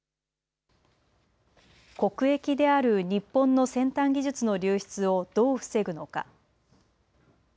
国益である日本の先端技術の流出をどう防ぐのか。